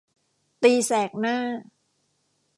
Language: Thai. ตีแสกหน้า